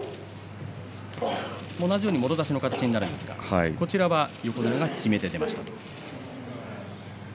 同じようにもろ差しの形になりましたけれどこちらは横綱が攻めて出ました。